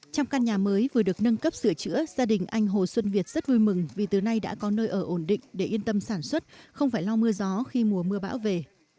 trong căn nhà mới vừa được nâng cấp sửa chữa gia đình anh hồ xuân việt rất vui mừng vì từ nay đã có nơi ở ổn định để yên tâm sản xuất không phải lau mưa gió khi mùa mưa bão về